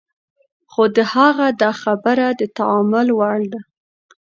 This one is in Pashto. خو د هغه دا خبره د تأمل وړ ده.